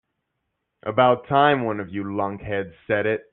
About time one of you lunkheads said it.